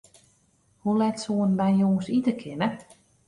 Hoe let soenen wy jûns ite kinne?